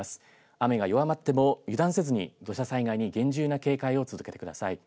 雨が弱まっても油断せずに土砂災害に厳重な警戒を続けてください。